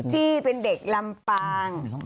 แองจี้เป็นเด็กลำปาง